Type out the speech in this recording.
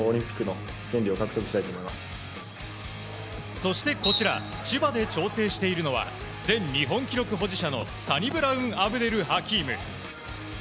そしてこちら千葉で調整しているのは前日本記録保持者のサニブラウン・アブデルハキーム。